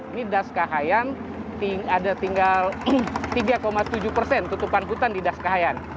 ini das kahayan ada tinggal tiga tujuh persen tutupan hutan di das kahayan